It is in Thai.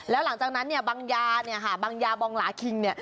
แล้วหลังจากนั้นเนี่ยบางยาเนี่ยค่ะบางยาบองหลาคิงเนี่ย